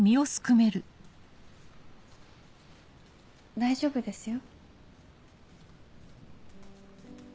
大丈夫ですよ。